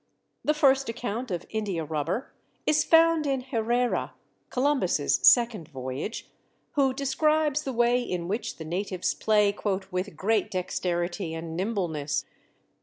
The first account of india rubber is found in Herrera (Columbus's second voyage), who describes the way in which the natives play "with great dexterity and nimbleness."